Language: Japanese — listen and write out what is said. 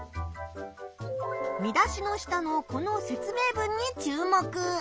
見出しの下のこの説明文に注目！